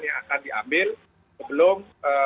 yang akan diambil sebelum